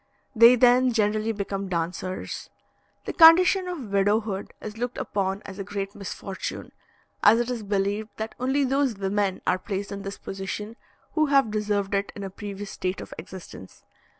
They then generally become dancers. The condition of widowhood is looked upon as a great misfortune, as it is believed that only those women are placed in this position, who have deserved it in a previous state of existence.